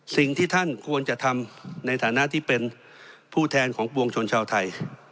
สิ่งที่ท่านควรจะทำในฐานะที่เป็นผู้แทนของปวงชนชาวไทย